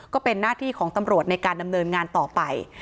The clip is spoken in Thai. ก็เป็นหน้าที่ของตำรวจในการดำเนินงานต่อไป